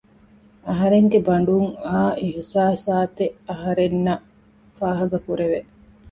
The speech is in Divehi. އަހަރެންގެ ބަނޑުން އައު އިޙްސާސާތެއް އަހަރެންނަށް ފާހަގަ ކުރެވެ